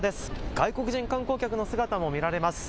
外国人観光客の姿も見られます。